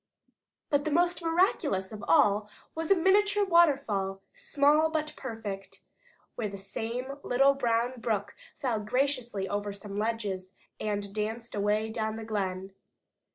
But most miraculous of all was a miniature waterfall, small but perfect, where the same little brown brook fell gracefully over some ledges, and danced away down the glen.